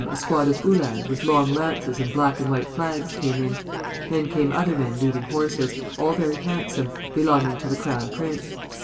a squad of Uhlans, with long lances and black and white flags came in; then came other men leading horses, all very handsome, belonging to the Crown Prince.